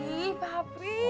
ih pak pi